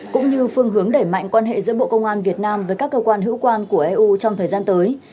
cũng như phương hướng đẩy mạnh quan hệ giữa bộ công an việt nam với các cơ quan hữu quan của eu trong thời gian tới